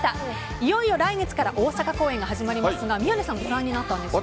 いよいよ来月から大阪公演が始まりますが宮根さんご覧になったんですよね。